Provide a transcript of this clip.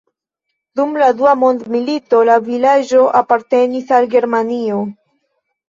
Dum la Dua Mondmilito la vilaĝo apartenis al Germanio.